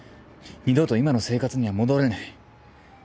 二度と今の生活には戻れない。